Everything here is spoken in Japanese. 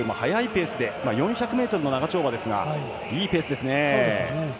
４００ｍの長丁場ですがいいペースですね。